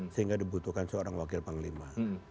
sehingga dibutuhkan seorang wakil panglima